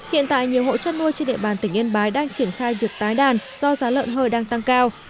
hiện tại nhiều hộ chăn nuôi trên địa bàn tỉnh yên bái đang triển khai việc tái đàn do giá lợn hơi đang tăng cao